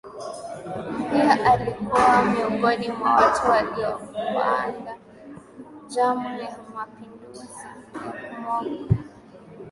Pia alikuwa miongoni mwa watu waliopanga njama za mapinduzi ya kumngoa mamlakani